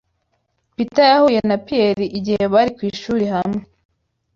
Peter yahuye na Pearl igihe bari ku ishuri hamwe.